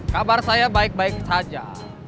kabar saya baik baik saja